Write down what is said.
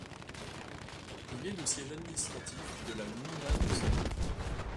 Il est le siège administratif de la gmina de Sabnie.